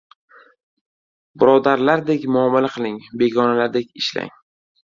• Birodarlardek muomala qiling, begonalardek ishlang.